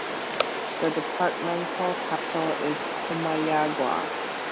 The departmental capital is Comayagua.